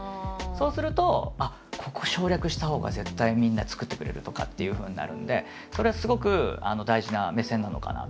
そうするとここ省略したほうが絶対みんな作ってくれるとかっていうふうになるんでそれはすごく大事な目線なのかなっていうふうには思ってますね。